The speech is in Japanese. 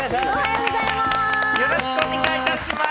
よろしくお願いします！